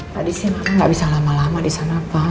tadi sih mama nggak bisa lama lama di sana pak